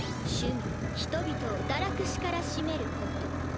「趣味人々を堕落しからしめること」。